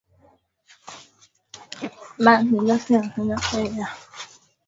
Rwanda Anasema akiwa Rwanda aliweka rekodi mwaka elfu mbili na kumi na mbili baada